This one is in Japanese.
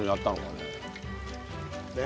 ねえ。